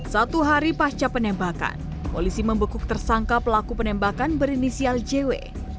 satu hari pasca penembakan polisi membekuk tersangka pelaku penembakan berinisial jw